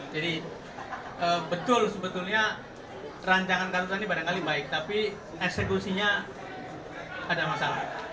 jadi betul sebetulnya rancangan kartu tani pada kali baik tapi eksekusinya ada masalah